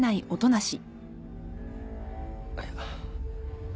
あっいや。